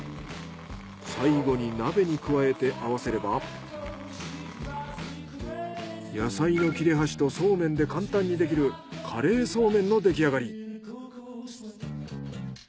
最後に鍋に加えて合わせれば野菜の切れ端とそうめんで簡単にできるカレーそうめんの出来上がり。